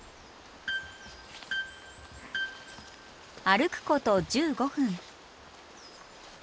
歩くこと１５分。